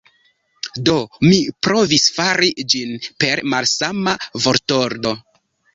Do, mi provis fari ĝin per malsama vortordo.